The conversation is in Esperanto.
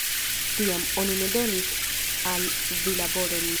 Tiam, oni ne donis al vi laboron.